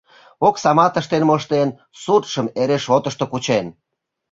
Оксамат ыштен моштен, суртшым эре шотышто кучен.